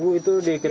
tidur di luar